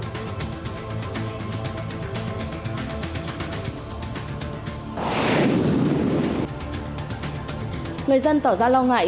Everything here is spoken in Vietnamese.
tổng cục đường bộ sẽ tỏ ra lo ngại